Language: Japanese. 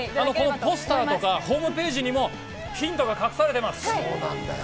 ポスターとかホームページにもヒントが隠されています。